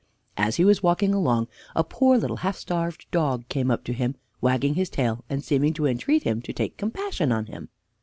As he was walking along a poor little half starved dog came up to him, wagging his tail and seeming to entreat him to take compassion on him.